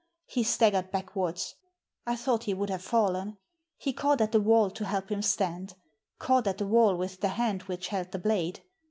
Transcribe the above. He staggered backwards. I thought he would have fallen. He caught at the wall to help him stand — caught at the wall with the hand which held the blade.